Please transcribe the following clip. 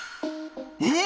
え？